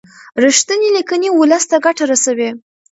رښتینې لیکنې ولس ته ګټه رسوي.